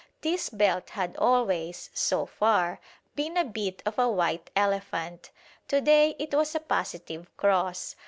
This belt had always, so far, been a bit of a white elephant; to day it was a positive cross.